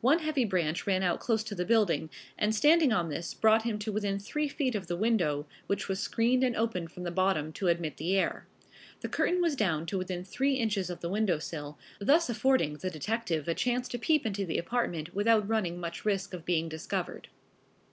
One heavy branch ran out close to the building, and standing on this brought him to within three feet of the window, which was screened and open from the bottom to admit the air. The curtain was down to within three inches of the window sill, thus affording the detective a chance to peep into the apartment without running much risk of being discovered.